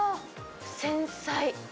繊細。